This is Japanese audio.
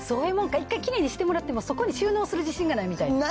一回きれいにしてもらって、そこに収納する自信がないみたいな？